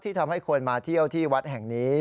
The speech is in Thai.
ทำให้คนมาเที่ยวที่วัดแห่งนี้